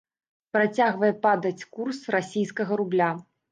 Працягвае падаць курс расійскага рубля.